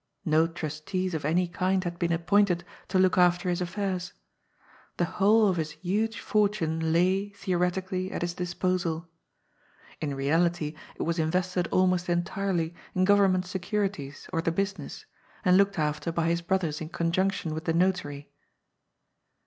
No trustees of any kind had been appointed to look after his affairs. The whole of his huge fortune lay, theo retically, at his disposal. In reality it was invested almost entirely in government securities or the business, and looked after by his brothers in conjunction with the notary.